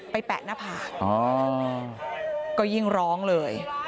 แปะหน้าผากก็ยิ่งร้องเลย